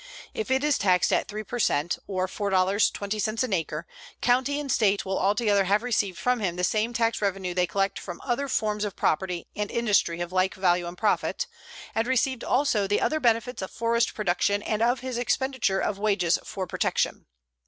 If it is taxed at 3 per cent, or $4.20 an acre, county and state will altogether have received from him the same tax revenue they collect from other forms of property and industry of like value and profit, and received also the other benefits of forest production and of his expenditure of wages for protection.